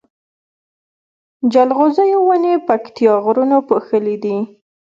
جلغوزيو ونی پکتيا غرونو پوښلي دی